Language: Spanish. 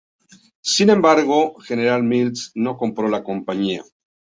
Sin embargo, General Mills no compró la compañía.